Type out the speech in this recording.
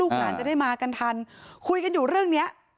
หลานจะได้มากันทันคุยกันอยู่เรื่องนี้